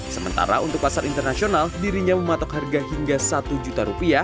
sementara untuk pasar internasional dirinya mematok harga hingga rp satu